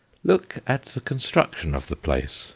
Look at the construction of the place.